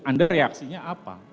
anda reaksinya apa